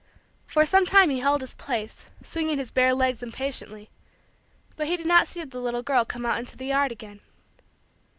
For some time he held his place, swinging his bare legs impatiently, but he did not see the little girl come out into the yard again.